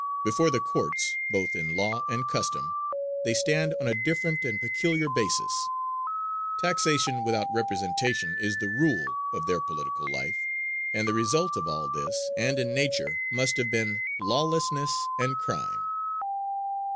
Before the courts, both in law and custom, they stand on a different and peculiar basis. Taxation without representation is the rule of their political life. And the result of all this is, and in nature must have been, lawlessness and crime."